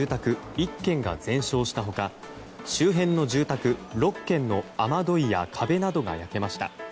１軒が全焼した他周辺の住宅６軒の雨どいや壁などが焼けました。